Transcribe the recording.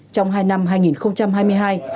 trong hai năm hai nghìn hai mươi hai hai nghìn hai mươi ba